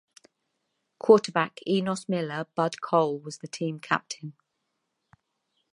Quarterback Enos Miller "Bud" Cole was the team captain.